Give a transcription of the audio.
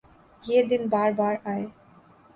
یہ دن بار بارآۓ